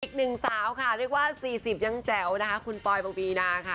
อีกหนึ่งสาวค่ะเรียกว่า๔๐ยังแจ๋วนะคะคุณปอยปงปีนาค่ะ